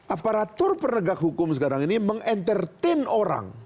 aparatur penegak hukum sekarang ini menentertain orang